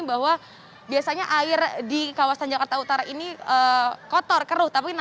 bahwa biasanya air di kawasan jakarta utara ini kotor keruh